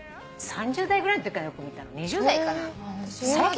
３０代ぐらいのときかなよく見たの２０代かな。